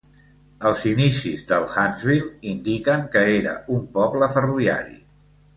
Els inicis del Huntsville indiquen que era un poble ferroviari.